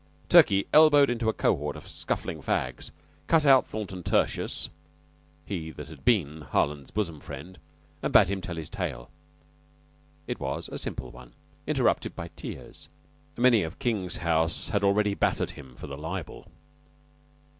Turkey elbowed into a cohort of scuffling fags, cut out Thornton tertius (he that had been Harland's bosom friend), and bade him tell his tale. It was a simple one, interrupted by tears. Many of King's house had already battered him for libel.